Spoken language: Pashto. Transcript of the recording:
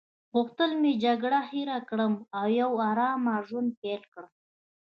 غوښتل مې جګړه هیره کړم او یو آرامه ژوند پیل کړم.